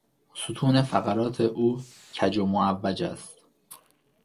ستون فقرات او کج و معوج است.